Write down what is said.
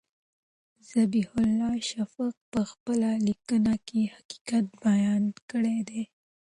ذبیح الله شفق په خپله لیکنه کې حقیقت بیان کړی دی.